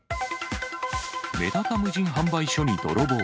メダカ無人販売所に泥棒。